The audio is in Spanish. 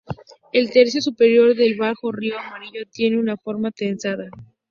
El tercio superior del Bajo río Amarillo tiene una forma trenzada.